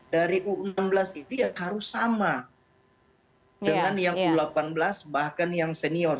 dari u enam belas itu ya harus sama dengan yang u delapan belas bahkan yang senior